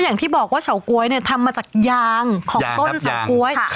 อย่างที่บอกว่าเฉาก๊วยเนี่ยทำมาจากยางของต้นเฉาก๊วย